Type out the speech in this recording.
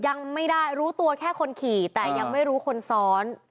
ยังไม่ได้รู้ตัวแค่คนขี่แต่ยังไม่รู้คนซ้อน